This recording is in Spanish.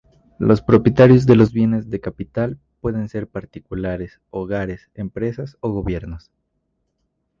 Los propietarios de los bienes de capital pueden ser particulares, hogares, empresas o gobiernos.